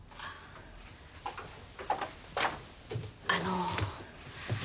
あの。